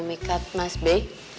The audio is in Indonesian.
memikat mas be